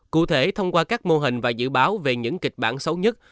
cụ thể thông qua các mô hình và dự báo về những kịch bản xấu nhất